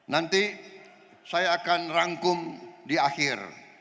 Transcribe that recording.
nanti saya akan rangkum di akhir